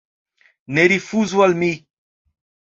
Ne rifuzu al mi.